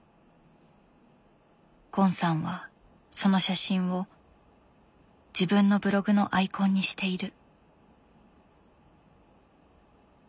ゴンさんはその写真を自分のブログのアイコンにしている。